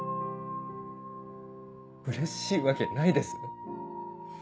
うれしいわけないです。